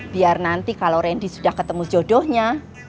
biar nanti kalau randy sudah ketemu jodohnya